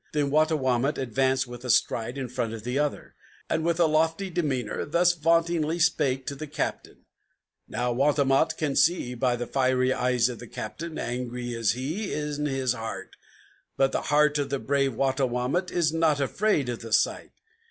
Then Wattawamat advanced with a stride in front of the other, And, with a lofty demeanor, thus vauntingly spake to the Captain: "Now Wattawamat can see, by the fiery eyes of the Captain, Angry is he in his heart; but the heart of the brave Wattawamat Is not afraid of the sight.